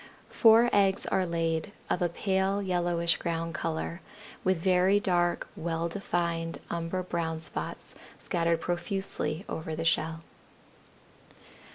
Four eggs are laid, of a pale yellowish ground color, with very dark, well defined umber brown spots scattered profusely over the shell.